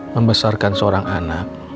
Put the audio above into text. membesarkan seorang anak